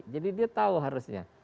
jadi dia tahu harusnya